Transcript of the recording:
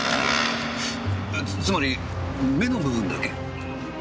つまり目の部分だけ？